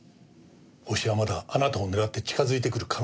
ホシはまだあなたを狙って近づいてくる可能性があります。